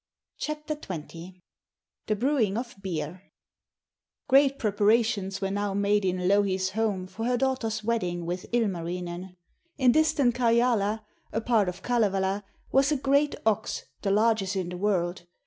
THE BREWING OF BEER Great preparations were now made in Louhi's home for her daughter's wedding with Ilmarinen. In distant Karjala, a part of Kalevala, was a great ox, the largest in the world.